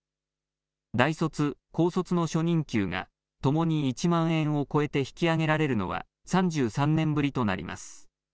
大卒・高卒の初任給がともに１万円を超えて引き上げられるのは３３年ぶりとなります。